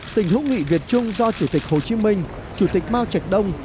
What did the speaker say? tình hữu nghị việt trung do chủ tịch hồ chí minh chủ tịch mao trạch đông